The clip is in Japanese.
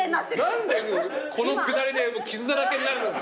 何でこのくだりで傷だらけに。